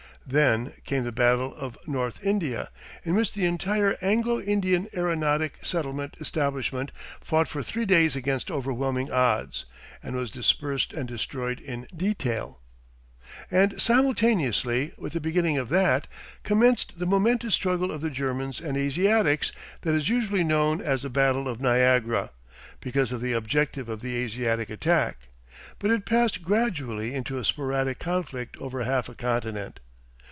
Then came the Battle of North India, in which the entire Anglo Indian aeronautic settlement establishment fought for three days against overwhelming odds, and was dispersed and destroyed in detail. And simultaneously with the beginning of that, commenced the momentous struggle of the Germans and Asiatics that is usually known as the Battle of Niagara because of the objective of the Asiatic attack. But it passed gradually into a sporadic conflict over half a continent.